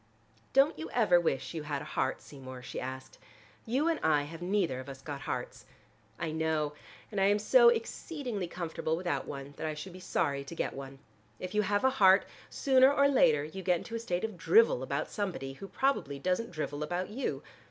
"Don't you ever wish you had a heart, Seymour?" she asked. "You and I have neither of us got hearts." "I know, and I am so exceedingly comfortable without one, that I should be sorry to get one. If you have a heart, sooner or later you get into a state of drivel about somebody, who probably doesn't drivel about you.